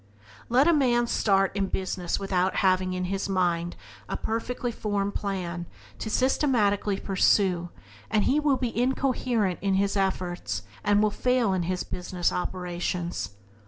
Let a man start in business without having in his mind a perfectly formed plan to systematically pursue and he will be incoherent in his efforts and will fail in his business operations.